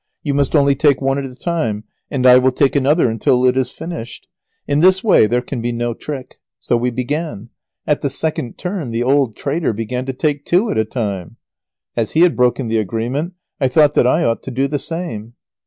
You must only take one at a time, and I will take another until it is finished. In this way there can be no trick." So we began. At the second turn the old traitor began to take two at a time. As he had broken the agreement I thought that I ought to do the same.